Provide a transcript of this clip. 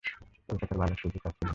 কলকাতার বালাসুবু, তার ছেলে।